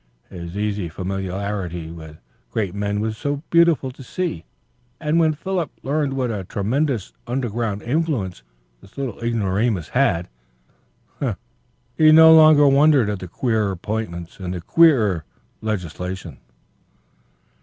His easy familiarity with great men was beautiful to see, and when Philip learned what a tremendous underground influence this little ignoramus had, he no longer wondered at the queer appointments and the queerer legislation.